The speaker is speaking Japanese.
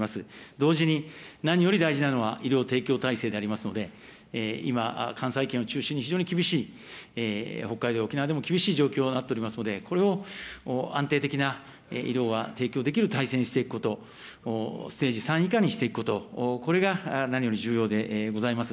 同時に何より大事なのは医療提供体制でありますので、今、関西圏を中心に非常に厳しい、北海道、沖縄でも厳しい状況になっておりますので、これを安定的な医療が提供できる体制にしていくこと、ステージ３以下にしていくこと、これが何より重要でございます。